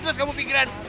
terus kamu pikirin